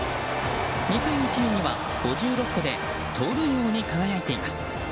２００１年には５６個で盗塁王に輝いています。